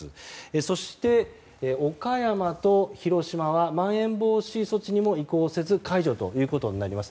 そして岡山と広島はまん延防止措置にも移行せず解除となります。